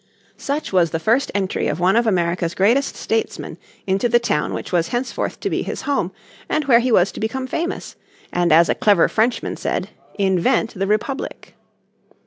Such was the first entry of one of America's greatest statesmen into the town which was henceforth to be his home and where he was to become famous; and as a clever Frenchman said "invent the Republic."